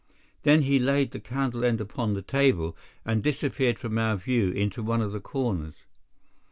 Then he laid the candle end upon the table and disappeared from our view into one of the corners.